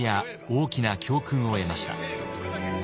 大きな教訓を得ました。